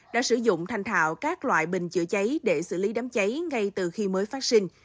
đã sử dụng thanh thạo các loại bình chữa cháy để xử lý đám cháy ngay từ khi mới phát sinh